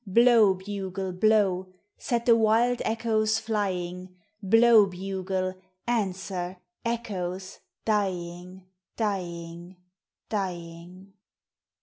Blow, bugle, blow, set the wild echoes flying, Blow, bugle; answer, echoes, dying, dying, dying.